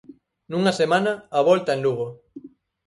Nunha semana, a volta en Lugo.